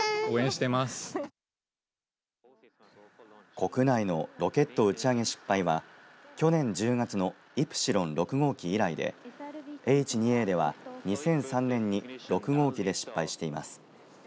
国内のロケット打ち上げ失敗は去年１０月のイプシロン６号機以来でＨ２Ａでは２００３年に６号機で失敗しています。